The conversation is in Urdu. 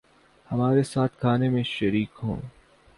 ہمارے ساتھ کھانے میں شریک ہوں